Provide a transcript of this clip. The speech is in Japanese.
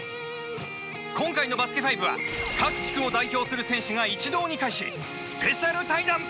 今回の『バスケ☆ＦＩＶＥ』は各地区を代表する選手が一堂に会しスペシャル対談！